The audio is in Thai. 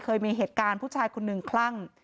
เคยมีเหตุการณ์ผู้ชายคนหนึ่งคลั่ง